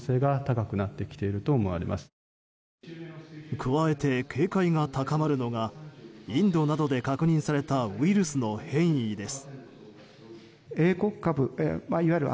加えて警戒が高まるのがインドなどで確認されたウイルスの変異です。